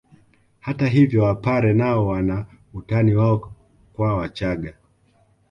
Hata hivyo wapare nao wana utani wao kwa wachaga